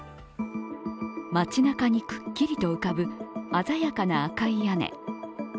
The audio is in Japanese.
町なかにくっきりと浮かぶ、鮮やかな赤い屋根。